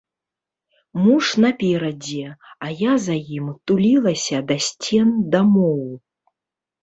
Муж наперадзе, а я за ім тулілася да сцен дамоў.